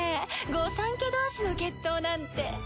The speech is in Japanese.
御三家同士の決闘なんて。